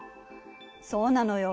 そうなのよ。